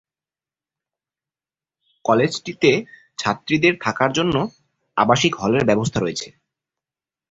কলেজটিতে ছাত্রীদের থাকার জন্য আবাসিক হলের ব্যবস্থা রয়েছে।